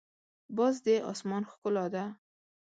باز د اسمان ښکلا ده